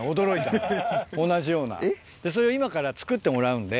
同じようなそれを今から作ってもらうんで。